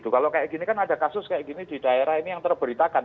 kalau kayak gini kan ada kasus kayak gini di daerah ini yang terberitakan